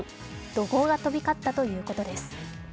怒号が飛び交ったということです。